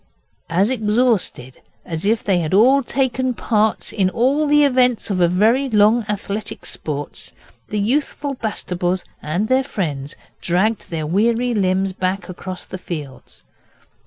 As exhausted as if they had all taken part in all the events of a very long Athletic Sports, the youthful Bastables and their friends dragged their weary limbs back across the fields.